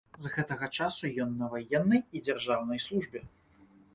З гэтага часу ён на ваеннай і дзяржаўнай службе.